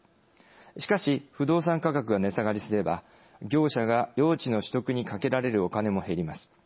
しかし、不動産価格が値下がりすれば業者が用地の取得にかけられるお金も減ります。